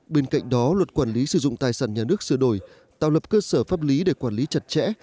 bên cạnh đó luật quản lý sử dụng tài sản nhà nước sửa đổi tạo lập cơ sở pháp lý để quản lý chặt chẽ